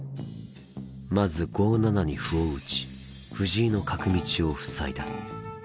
まず５七に歩を打ち藤井の角道を塞いだ。